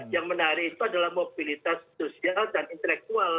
yang menarik itu adalah mobilitas sosial dan intelektual